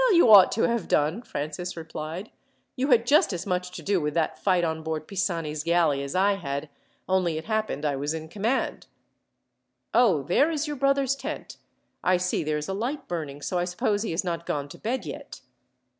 "Well, you ought to have done," Francis replied. "You had just as much to do with that fight on board Pisani's galley as I had, only it happened I was in command. "Oh, there is your brother's tent! I see there is a light burning, so I suppose he has not gone to bed yet."